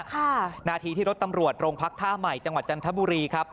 นาทีที่รถตำรวจโรงพักท่าใหม่จังหวัดจันทบุรีครับ